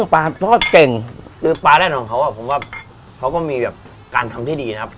ปลาทอดเก่งคือปลาแน่นอนเขาผมว่าเขาก็มีแบบการทำที่ดีนะครับ